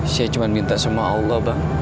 saya cuma minta semua allah bang